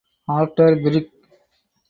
After Brig.